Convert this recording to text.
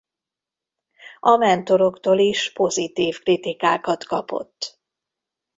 A mentoroktól is pozitív kritikákat kapott.